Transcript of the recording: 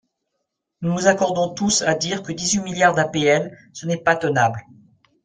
Nous nous accordons tous à dire que dix-huit milliards d’APL, ce n’est pas tenable.